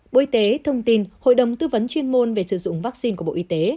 bộ y tế thông tin hội đồng tư vấn chuyên môn về sử dụng vaccine của bộ y tế